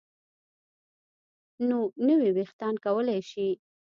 نو نوي ویښتان کولی شي